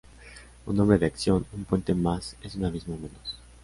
Un hombre de acción "un puente más es un abismo menos".